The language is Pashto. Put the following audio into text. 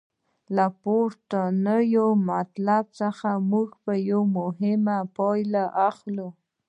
له پورتنیو مطالبو څخه موږ یوه مهمه پایله اخلو.